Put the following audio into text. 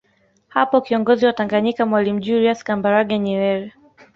Hapo kiongozi wa Tanganyika Mwalimu Julius Kambarage Nyerere